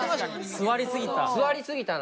座りすぎたな。